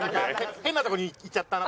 変なとこにいっちゃったな。